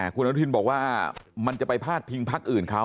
คุณอนุทินบอกว่ามันจะไปพาดพิงพักอื่นเขา